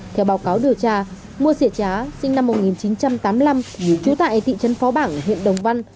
theo báo cáo điều tra mua sỉa trá sinh năm một nghìn chín trăm tám mươi năm dù chú tại thị trấn phó bảng huyện đồng văn